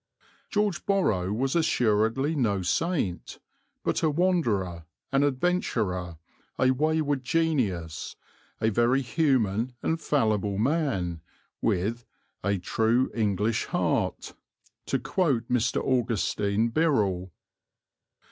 George Borrow was assuredly no saint; but a wanderer, an adventurer, a wayward genius, a very human and fallible man, with "a true English heart," to quote Mr. Augustine Birrell.